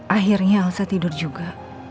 akhirnya elsa tidur juga